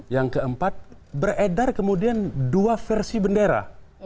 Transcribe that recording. yang keempat beredar kemudian dua versi bendera